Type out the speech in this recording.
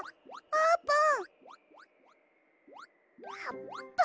あーぷん！